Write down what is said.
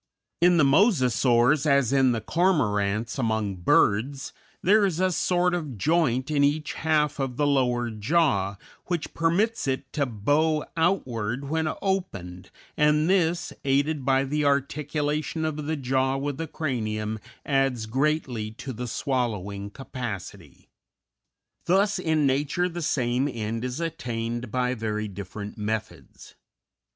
In the Mosasaurs, as in the cormorants, among birds, there is a sort of joint in each half of the lower jaw which permits it to bow outward when opened, and this, aided by the articulation of the jaw with the cranium, adds greatly to the swallowing capacity. Thus in nature the same end is attained by very different methods.